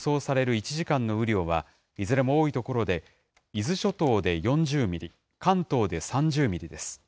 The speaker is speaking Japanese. １時間の雨量は、いずれも多い所で、伊豆諸島で４０ミリ、関東で３０ミリです。